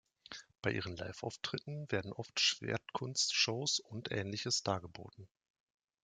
Bei ihren Live-Auftritten werden oft Schwertkunst-Shows und Ähnliches dargeboten.